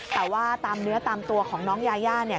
แต่ว่าตามเนื้อตามตัวของน้องยาย่าเนี่ย